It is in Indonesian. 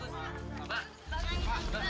ini pak johan